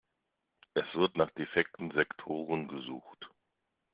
Es wird nach defekten Sektoren gesucht.